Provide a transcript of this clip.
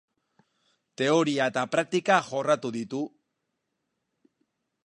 Teoria eta praktika jorratu ditu.